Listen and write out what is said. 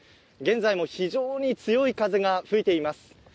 現在も非常に強い風が吹いています。